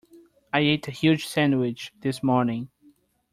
I ate a huge sandwich this morning.